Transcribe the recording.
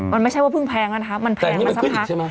มันไม่ใช่ว่าเพิ่งแพงนะครับมันแพงมาสักพัก